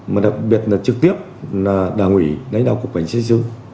mà đặc biệt là trực tiếp là đảng ủy lãnh đạo cục cảnh xe sử